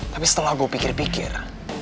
tapi setelah gue pikir pikir